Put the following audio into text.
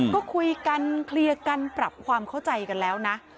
ก็คุยกันเคลียร์กันปรับความเข้าใจกันแล้วนะ